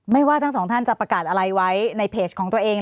ว่าทั้งสองท่านจะประกาศอะไรไว้ในเพจของตัวเอง